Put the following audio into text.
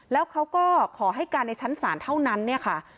แล้วเขาก็ขอให้การในชั้นศาลเท่านั้นเนี่ยค่ะ